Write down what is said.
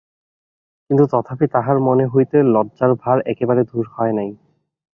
কিন্তু তথাপি তাঁহার মন হইতে লজ্জার ভার একেবারে দূর হয় নাই।